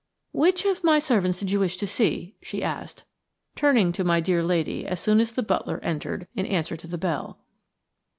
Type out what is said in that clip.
"Which of my servants did you wish to see?" she asked, turning to my dear lady as soon as the butler entered in answer to the bell.